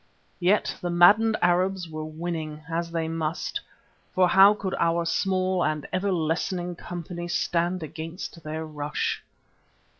Yet the maddened Arabs were winning, as they must, for how could our small and ever lessening company stand against their rush?